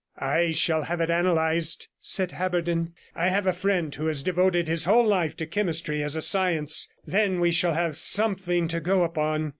'I shall have it analysed,' said Haberden; 'I have a friend who has devoted his whole life to chemistry as a science. Then we shall have something to go upon.